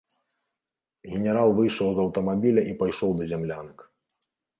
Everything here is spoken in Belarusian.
Генерал выйшаў з аўтамабіля і пайшоў да зямлянак.